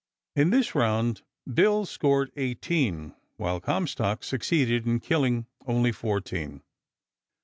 In this "round" Bill scored eighteen, while Comstock succeeded in killing only fourteen.